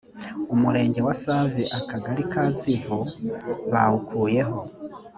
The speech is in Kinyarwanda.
umurenge wa save akagari ka zivu bawukuyeho